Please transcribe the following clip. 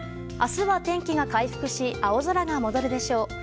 明日は天気が回復し青空が戻るでしょう。